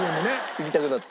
行きたくなった？